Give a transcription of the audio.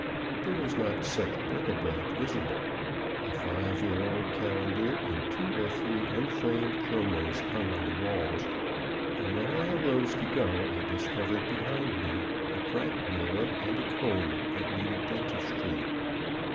There was not such bric a brac visible; a five year old calendar and two or three unframed chromos hung on the walls, and when I arose to go I discovered behind me a cracked mirror and a comb that needed dentistry.